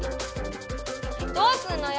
どうすんのよ！